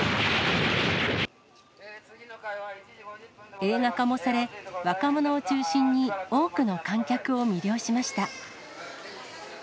映画化もされ、若者を中心に多くの観客を魅了しました。